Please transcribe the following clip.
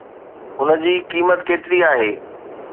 ان جي قيمت ڪيتري آهي؟